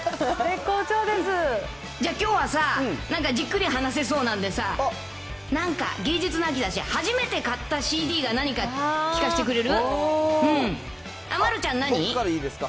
じゃあきょうはさあ、なんかじっくり話せそうなんでさ、なんか芸術の秋だし、初めて買ったＣＤが何か聞かしてくれる？